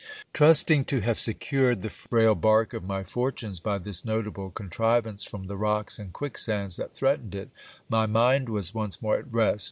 Trusting to have secured the frail bark of my fortunes by this notable con trivance from the rocks and quicksands that threatened it, my mind was once more at rest.